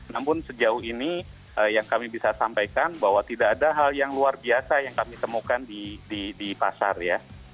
namun sejauh ini yang kami bisa sampaikan bahwa tidak ada hal yang luar biasa yang kami temukan di pasar ya